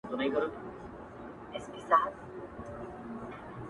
o خپل د لاس څخه اشـــنــــــا؛